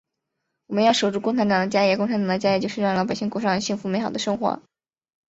我们要守住共产党的家业，共产党的家业就是让老百姓过上幸福美好的生活。